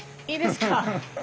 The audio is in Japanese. いいですか？